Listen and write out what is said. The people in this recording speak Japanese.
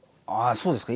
そうですか？